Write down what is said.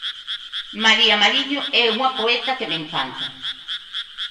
María Mariño é unha poeta que me encanta.